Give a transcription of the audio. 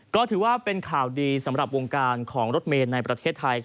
ก็ถือว่าเป็นข่าวดีสำหรับวงการของรถเมย์ในประเทศไทย